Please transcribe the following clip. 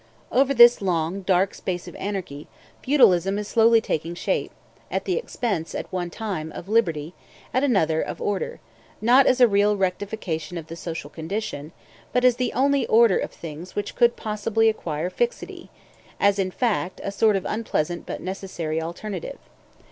Over this long, dark space of anarchy, feudalism is slowly taking shape, at the expense, at one time, of liberty, at another, of order; not as a real rectification of the social condition, but as the only order of things which could possibly acquire fixity, as, in fact, a sort of unpleasant but necessary alternative.